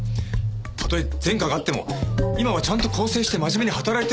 たとえ前科があっても今はちゃんと更生して真面目に働いてるんです。